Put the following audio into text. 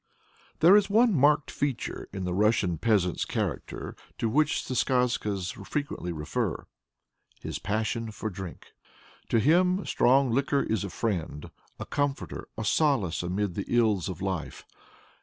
There is one marked feature in the Russian peasant's character to which the Skazkas frequently refer his passion for drink. To him strong liquor is a friend, a comforter, a solace amid the ills of life.